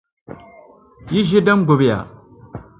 Yi ʒi din gbibi ya.